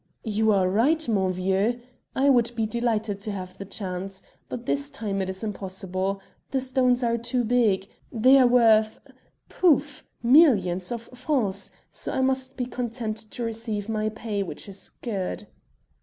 "You are right, mon vieux. I would be delighted to have the chance. But this time it is impossible. The stones are too big. They are worth pouf! millions of francs, so I must be content to receive my pay, which is good."